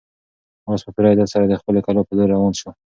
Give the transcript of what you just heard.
آس په پوره عزت سره د خپلې کلا په لور روان شو.